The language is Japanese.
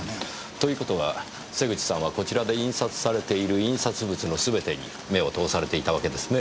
という事は瀬口さんはこちらで印刷されている印刷物のすべてに目を通されていたわけですね。